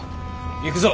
行くぞ。